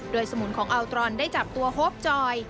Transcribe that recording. โดยสมุนของอัลตรอนได้จับตัวโฮปจอย